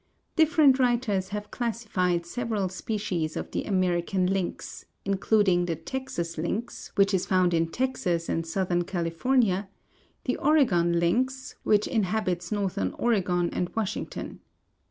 Different writers have classified several species of the American lynx, including the Texas lynx, which is found in Texas, and southern California; the Oregon lynx, which inhabits northern Oregon and Washington.